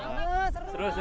wah seru banget